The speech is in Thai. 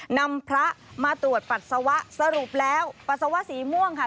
นำพระมาตรวจปัสสาวะสรุปแล้วปัสสาวะสีม่วงค่ะ